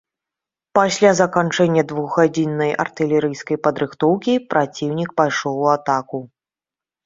Пасля заканчэння двухгадзіннай артылерыйскай падрыхтоўкі праціўнік пайшоў у атаку.